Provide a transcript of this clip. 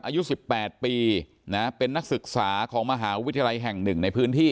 อายุ๑๘ปีนะเป็นนักศึกษาของมหาวิทยาลัยแห่งหนึ่งในพื้นที่